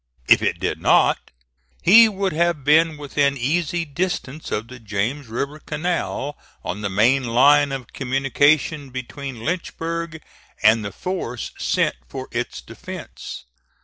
If it did not, he would have been within easy distance of the James River Canal, on the main line of communication between Lynchburg and the force sent for its defence.